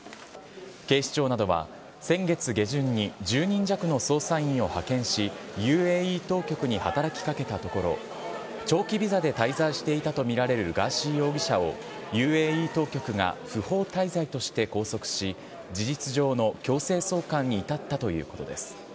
警視庁などは、先月下旬に１０人弱の捜査員を派遣し、ＵＡＥ当局に働きかけたところ、長期ビザで滞在していたと見られるガーシー容疑者をＵＡＥ当局が不法滞在として拘束し、事実上の強制送還に至ったということです。